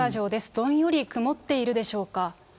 どんより曇っているでしょうか。